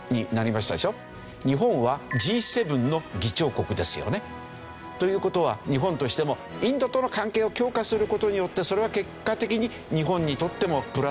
日本はＧ７の議長国ですよね。という事は日本としてもインドとの関係を強化する事によってそれは結果的に日本にとってもプラスになる。